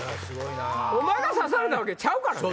お前が刺されたわけちゃうからね。